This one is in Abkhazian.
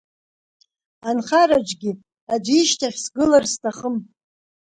Анхараҿгьы аӡәгьы ишьҭахь сгылар сҭахым.